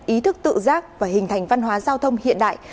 ý thức tự giác và hình thành văn hóa giao thông hiện đại